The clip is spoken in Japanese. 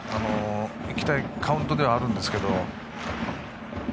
いきたいカウントではあるんですけどね。